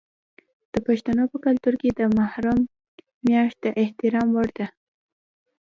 د پښتنو په کلتور کې د محرم میاشت د احترام وړ ده.